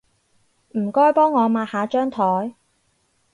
唔該幫我抹下張枱